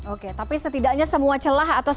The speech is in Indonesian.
oke tapi setidaknya semua celah atau